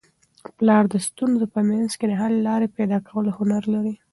پلار د ستونزو په منځ کي د حل لاري پیدا کولو هنر لري.